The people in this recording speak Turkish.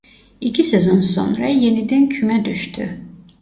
İki sezon sonra yeniden küme düştü.